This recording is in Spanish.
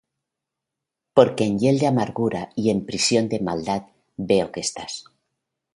Porque en hiel de amargura y en prisión de maldad veo que estás.